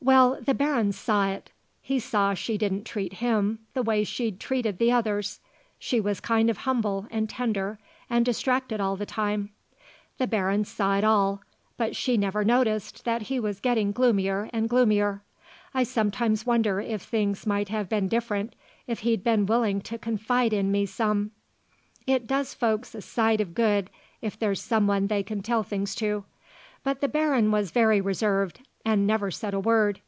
Well, the Baron saw it. He saw she didn't treat him the way she'd treated the others; she was kind of humble and tender and distracted all the time. The Baron saw it all, but she never noticed that he was getting gloomier and gloomier. I sometimes wonder if things might have been different if he'd been willing to confide in me some. It does folks a sight of good if there's someone they can tell things to. But the Baron was very reserved and never said a word.